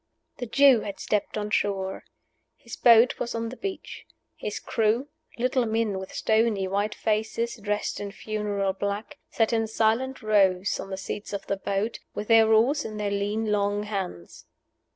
The Jew had stepped on shore. His boat was on the beach. His crew little men with stony, white faces, dressed in funeral black sat in silent rows on the seats of the boat, with their oars in their lean, long hands.